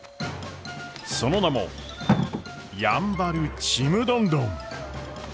その名も「やんばるちむどんどん」。